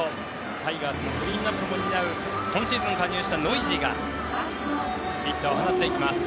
タイガースのクリーンアップも担う今シーズン加入したノイジーがヒットを放っていきます。